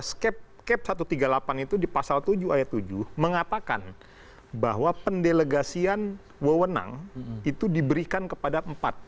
skep satu ratus tiga puluh delapan itu di pasal tujuh ayat tujuh mengatakan bahwa pendelegasian wewenang itu diberikan kepada empat